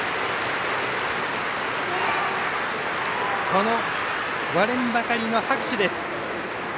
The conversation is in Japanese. この割れんばかりの拍手です。